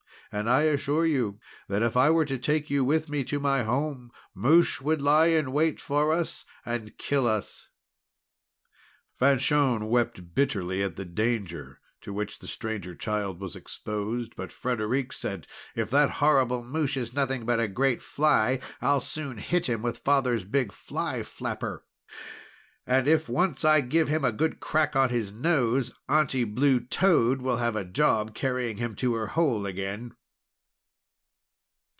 And I assure you that if I were to take you with me to my home, Mouche would lie in wait for us, and kill us." Fanchon wept bitterly at the danger to which the Stranger Child was exposed. But Frederic said: "If that horrible Mouche is nothing but a great fly, I'll soon hit him with father's big fly flapper! And if once I give him a good crack on his nose, Aunty Blue Toad will have a job carrying him to her hole again!"